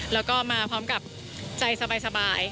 แล้วก็มาพร้อมกับใจสบาย